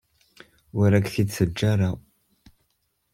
Ur ak-t-id-teǧǧa ara.